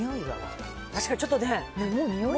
確かにちょっとね。